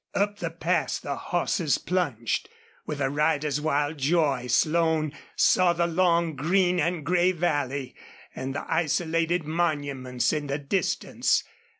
Up the pass the horses plunged. With a rider's wild joy Slone saw the long green and gray valley, and the isolated monuments in the distance.